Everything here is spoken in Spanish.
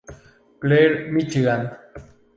Clair, Míchigan.